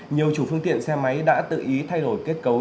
nhiều chủ phương tiện xe máy đã tự ý thay đổi kết cấu